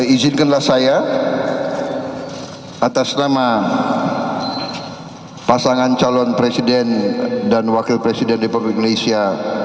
izinkanlah saya atas nama pasangan calon presiden dan wakil presiden republik indonesia